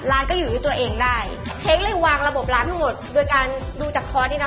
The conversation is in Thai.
ร้านก็อยู่ด้วยตัวเองได้เค้กเลยวางระบบร้านทั้งหมดโดยการดูจากคอร์สนี่นะ